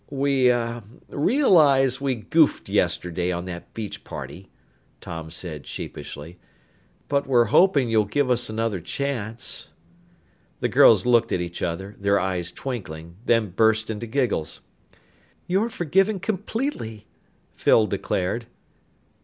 "We uh realize we goofed yesterday on that beach party," Tom said sheepishly. "But we're hoping you'll give us another chance." The girls looked at each other, their eyes twinkling, then burst into giggles. "You're forgiven completely!" Phyl declared.